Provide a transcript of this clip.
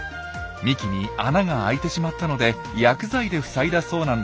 幹に穴があいてしまったので薬剤で塞いだそうなんです。